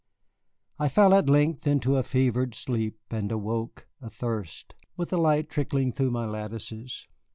I fell at length into a fevered sleep, and awoke, athirst, with the light trickling through my lattices.